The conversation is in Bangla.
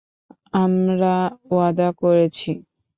আমরা ওয়াদা করেছি।